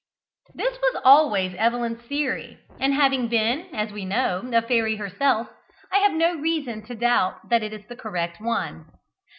This was always Evelyn's theory, and having been, as we know, a fairy herself, I have no reason to doubt that it is the correct one.